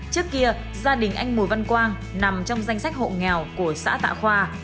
trước kia gia đình anh mùi văn quang nằm trong danh sách hộ nghèo của xã tạ khoa